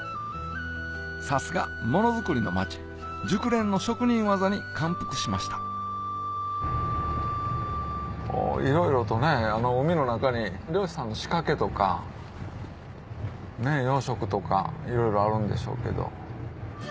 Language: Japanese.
さすが物作りの街熟練の職人技に感服しましたいろいろとあの海の中に漁師さんの仕掛けとか養殖とかいろいろあるんでしょうけど。